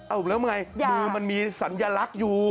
แล้วมันอย่างไรมือมันมีสัญลักษณ์อยู่